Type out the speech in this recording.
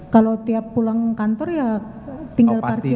kalau tiap pulang kantor ya tinggal parkir